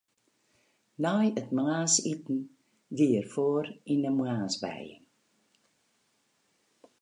Nei it moarnsiten gie er foar yn in moarnswijing.